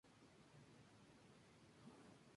Si no luchamos, estamos perdidos".